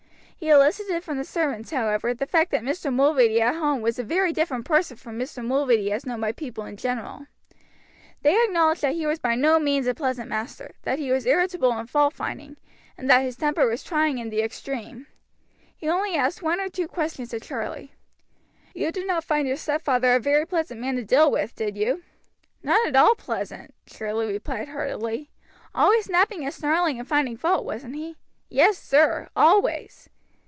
He elicited from the servants, however, the fact that Mr. Mulready at home was a very different person from Mr. Mulready as known by people in general. They acknowledged that he was by no means a pleasant master, that he was irritable and fault finding, and that his temper was trying in the extreme, He only asked one or two questions of Charlie. "You did not find your stepfather a very pleasant man to deal with, did you?" "Not at all pleasant," Charlie replied heartily. "Always snapping and snarling and finding fault, wasn't he?" "Yes, sir, always."